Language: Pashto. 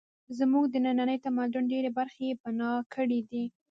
زموږ د ننني تمدن ډېرې برخې یې بنا کړې دي